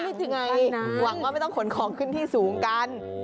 นี่จี๋ยังไงวังว่าไม่ต้องขนของขึ้นที่สูงกัน